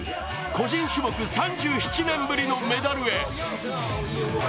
個人種目３７年ぶりのメダルへ。